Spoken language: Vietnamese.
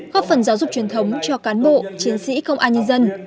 góp phần giáo dục truyền thống cho cán bộ chiến sĩ công an nhân dân